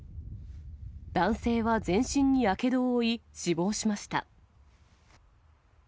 男性は全身にやけどを負い、死亡しました。